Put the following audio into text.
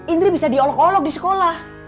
indri bisa diolok olok di sekolah